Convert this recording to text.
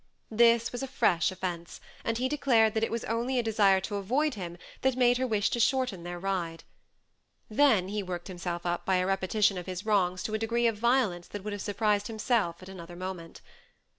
This was a fresh offence, and he declared that it was only a desire to avoid him that made her wish to shorten their ride. Then he worked himself up by a repetition of his wrongs to a degree of violence that would have surprised himself at another moment.